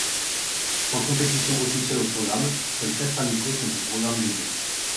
Sans compétition officielle au programme, seuls quatre amicaux sont au programme des bleus.